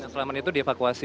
selamat itu dievakuasi di